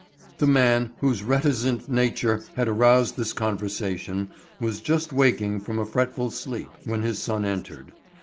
The man whose reticent nature had aroused this conversation was just waking from a fretful sleep when his son entered.